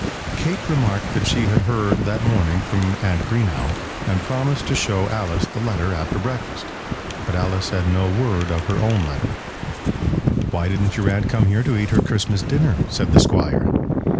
Kate remarked that she had heard that morning from Aunt Greenow, and promised to show Alice the letter after breakfast. But Alice said no word of her own letter. "Why didn't your aunt come here to eat her Christmas dinner?" said the Squire.